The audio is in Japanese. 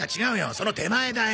その手前だよ。